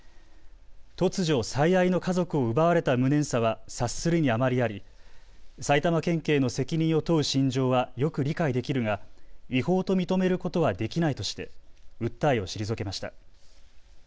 突如、最愛の家族を奪われた無念さは察するに余りあり埼玉県警の責任を問う心情はよく理解できるが違法と認めることはできないとして訴えを退けました。